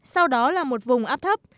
sau đó là một vùng áp thấp